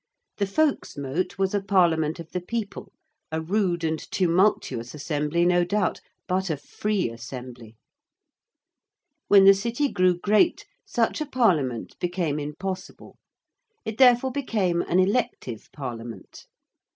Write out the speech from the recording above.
The Folks' Mote was a Parliament of the People a rude and tumultuous assembly, no doubt, but a free assembly. When the City grew great such a Parliament became impossible. It therefore became an elective Parliament.